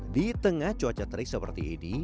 di tengah cuaca terik seperti ini